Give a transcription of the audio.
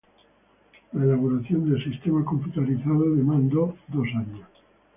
La elaboración del sistema computarizado demandó dos años.